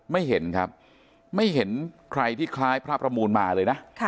ไม่เห็นครับไม่เห็นใครที่คล้ายพระประมูลมาเลยนะ